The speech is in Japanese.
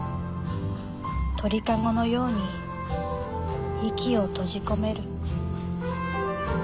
鳥籠のように息を閉じ込める。